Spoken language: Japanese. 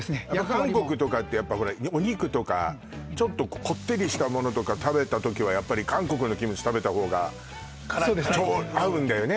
韓国とかってやっぱお肉とかちょっとこってりしたものとか食べた時はやっぱり韓国のキムチ食べた方が合うんだよね